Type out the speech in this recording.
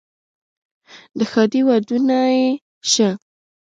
د ښادۍ ودونه یې شه،